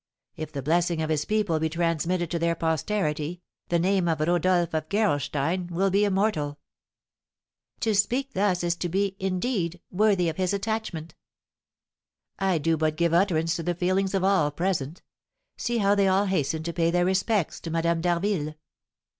If the blessing of his people be transmitted to their posterity, the name of Rodolph of Gerolstein will be immortal." "To speak thus is to be, indeed, worthy of his attachment." "I do but give utterance to the feelings of all present; see how they all hasten to pay their respects to Madame d'Harville!"